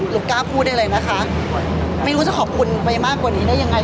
กล้าพูดได้เลยนะคะไม่รู้จะขอบคุณไปมากกว่านี้ได้ยังไง